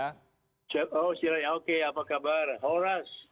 oh silahkan oke apa kabar horas